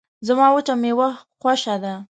زما وچه میوه خوشه ده